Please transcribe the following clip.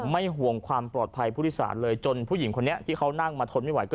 ห่วงความปลอดภัยผู้โดยสารเลยจนผู้หญิงคนนี้ที่เขานั่งมาทนไม่ไหว